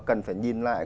cần phải nhìn lại